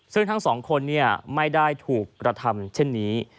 ซึ่งทั้งสองคนไม่ได้ถูกกระทำเช่นนี้